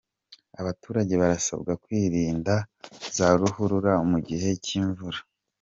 Abaturage barasabwa kwirinda za ruhurura mu gihe cy’imvura